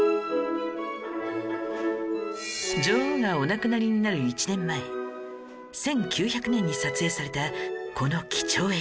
女王がお亡くなりになる１年前１９００年に撮影されたこの貴重映像